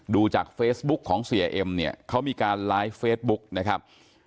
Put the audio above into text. ดูจากเฟซบุ๊กของเสียเอ็มเนี่ยเขามีการไลฟ์เฟซบุ๊กนะครับ